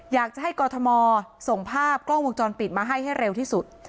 อยากจะให้กรทมส่งภาพกล้องวงจรปิดมาให้ให้เร็วที่สุด